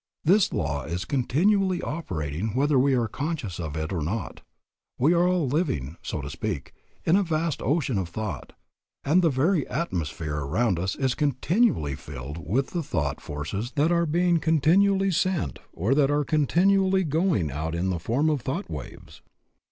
This law is continually operating whether we are conscious of it or not. We are all living, so to speak, in a vast ocean of thought, and the very atmosphere around us is continually filled with the thought forces that are being continually sent or that are continually going out in the form of thought waves.